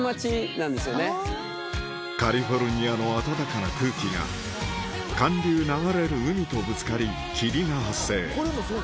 カリフォルニアの暖かな空気が寒流流れる海とぶつかり霧が発生